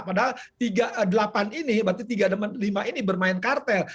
padahal delapan ini berarti tiga lima ini bermain kartel